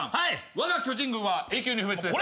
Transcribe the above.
「わが巨人軍は永久に不滅です」